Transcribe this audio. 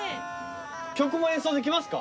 曲も演奏できますか？